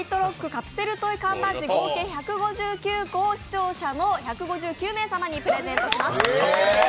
カプセルトイ缶バッジ合計１５９個を視聴者の１５９名様にプレゼントします。